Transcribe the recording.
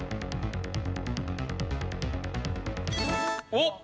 おっ！